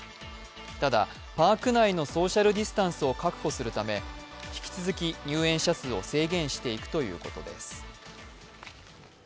ただパーク内のソーシャルディスタンスを確保するため引き続き入園者数を制限していくということです。